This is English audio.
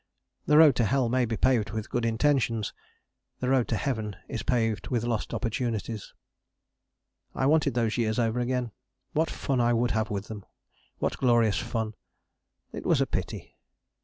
The road to Hell may be paved with good intentions: the road to Heaven is paved with lost opportunities. I wanted those years over again. What fun I would have with them: what glorious fun! It was a pity.